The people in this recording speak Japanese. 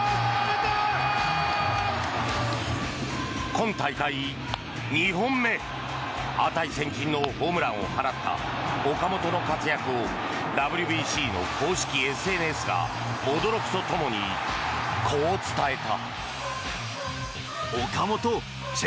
今大会２本目値千金のホームランを放った岡本の活躍をＷＢＣの公式ＳＮＳが驚きと共に、こう伝えた。